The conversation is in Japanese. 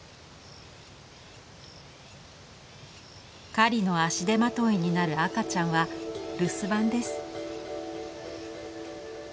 狩りの足手まといになる赤ちゃんは留守番です。